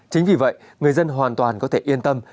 chính vì vậy người dân hoàn toàn có thể yên tâm